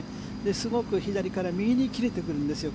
すごく左から右に切れてくるんですよ。